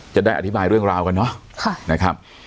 จะได้อธิบายเรื่องราวกันนะ